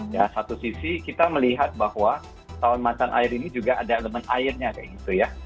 ya satu sisi kita melihat bahwa tahun macan air ini juga ada elemen airnya kayak gitu ya